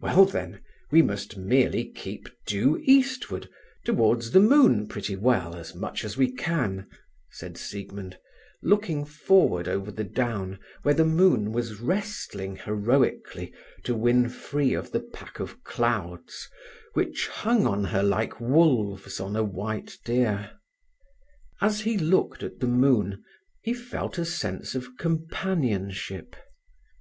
"Well, then, we must merely keep due eastward, towards the moon pretty well, as much as we can," said Siegmund, looking forward over the down, where the moon was wrestling heroically to win free of the pack of clouds which hung on her like wolves on a white deer. As he looked at the moon he felt a sense of companionship.